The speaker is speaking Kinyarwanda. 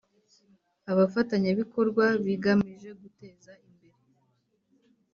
abafatanyabikorwa bigamije guteza imbere